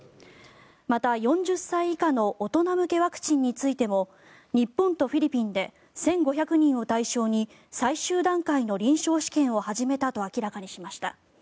また４０歳以下の大人向けワクチンについても日本とフィリピンで１５００人を対象に最終段階の臨床試験を始めたと明らかにしました。